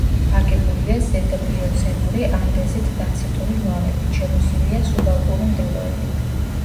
აგებულია ზედაპლიოცენური ანდეზიტ-დაციტური ლავებით, შემოსილია სუბალპური მდელოებით.